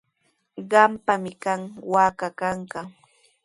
Qampaqmi kay waaka kanqa.